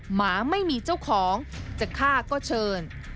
หมาไม่มีเจ้าของจะฆ่าก็เชิญ